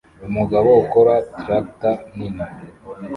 Umugabo ukora traktor nini